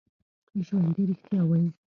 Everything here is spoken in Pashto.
ژوندي رښتیا وايي